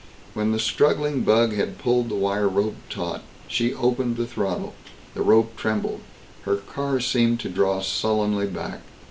When the struggling bug had pulled the wire rope taut, she opened the throttle. The rope trembled. Her car seemed to draw sullenly back.